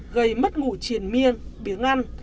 gây mất ngủ triền miên biếng ăn